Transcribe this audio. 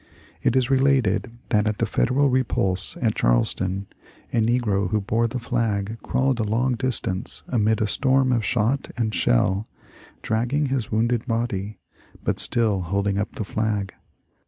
It is related that, at the Federal repulse at Charleston, a negro who bore the flag crawled a long distance amid a storm of shot and shell, dragging his wounded body, but still holding up the flag.